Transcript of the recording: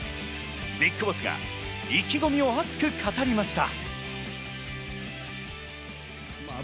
ＢＩＧＢＯＳＳが意気込みを熱く語りました。